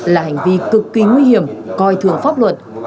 là hành vi cực kỳ nguy hiểm coi thường pháp luật